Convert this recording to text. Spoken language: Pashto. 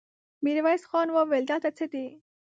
ميرويس خان وويل: دلته څه دي؟